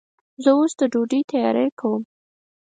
زه اوس د ډوډۍ تیاری کوم.